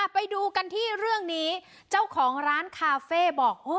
ไปดูกันที่เรื่องนี้เจ้าของร้านคาเฟ่บอก